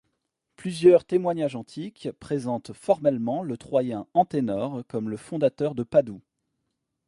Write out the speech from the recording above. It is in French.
Plusieurs témoignages antiques présentent formellement le troyen Anténor comme le fondateur de Padoue.